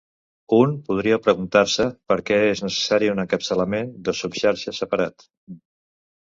Un podria preguntar-se "per què és necessari un encapçalament de subxarxa separat?".